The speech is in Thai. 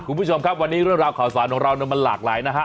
คุณผู้ชมครับวันนี้เรื่องราวข่าวสารของเรามันหลากหลายนะฮะ